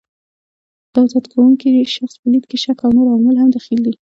د اندازه کوونکي شخص په لید کې شک او نور عوامل هم دخیل دي.